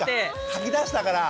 吐き出したから！